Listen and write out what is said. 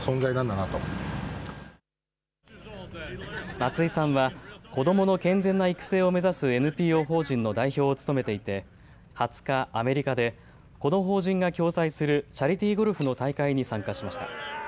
松井さんは子どもの健全な育成を目指すＮＰＯ法人の代表を務めていて２０日、アメリカでこの法人が共催するチャリティーゴルフの大会に参加しました。